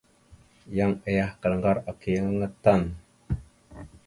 Yan ayakal ŋgar aka yan aŋa tan.